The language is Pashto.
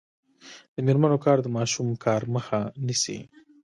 د میرمنو کار د ماشوم کار مخه نیسي.